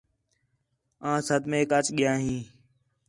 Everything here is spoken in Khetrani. آں صدمیک اَچ ڳِیا ہیں